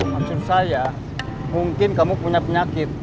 maksud saya mungkin kamu punya penyakit